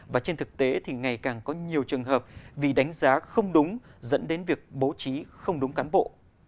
và trên thực tế thì ngày càng có nhiều trường hợp vì đánh giá không đúng dẫn đến việc bố trí không đúng cán bộ